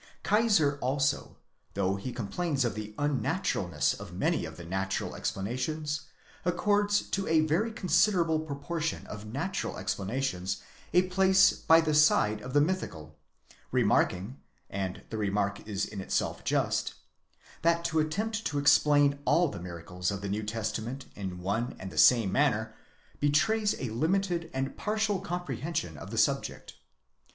Kaiser also, though he complains of the unnaturalness of many of the natural explanations, accords to a very considerable proportion of natural explanations a place by the side of the mythical; remarking—and the remark is in itself just—that to attempt to explain all the miracles of the 'New Testament in one and the same manner betrays a limited and partial comprehension of the subject.